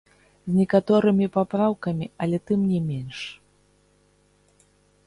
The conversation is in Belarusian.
З некаторымі папраўкамі, але тым не менш.